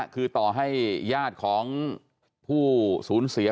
คือต่อให้ญาติของผู้สูญเสีย